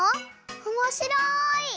おもしろい！